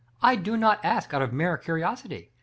I do not ask out of mere curiosity.